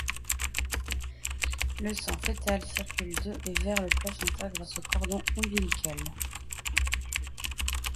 Le sang fœtal circule de et vers le placenta grâce au cordon ombilical.